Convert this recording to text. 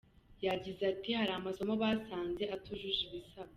Yagize ati ”Hari amasomo basanze atujuje ibisabwa.